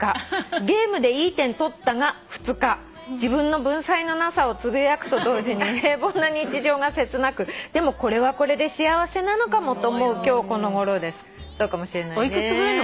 「『ゲームでいい点取った』が２日」「自分の文才のなさをつぶやくと同時に平凡な日常が切なくでもこれはこれで幸せなのかもと思う今日この頃です」お幾つぐらいの方？